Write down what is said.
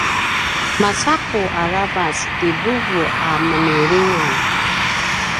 maca’u aravac ti vuvu a menilingan